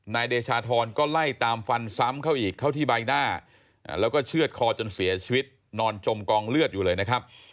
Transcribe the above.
นายเดชาธรก็ไล่ตามฟันซ้ำเข้าอีกเข้าที่ใบหน้าแล้วก็เชื่อดคอจนเสียชีวิตนอนจมกองเลือดอยู่เลยนะครับ